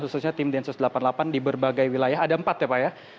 khususnya tim densus delapan puluh delapan di berbagai wilayah ada empat ya pak ya